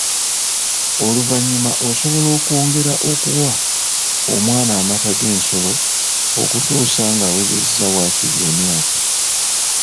Oluvannyuma osobola okwongera okuwa omwana amata g'ensolo okutuusa ng'awezezza waakiri emyaka .